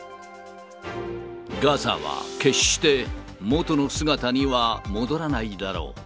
ガザは決して元の姿には戻らないだろう。